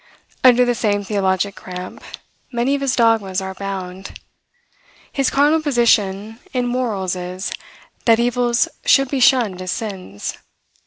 Under the same theologic cramp, many of his dogmas are bound. His cardinal position in morals is, that evils should be shunned as sins.